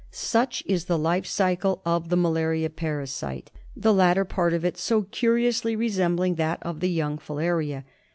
Such is the life cycle of the malaria parasite, the latter part of it so curiously resembling that of the young filaria.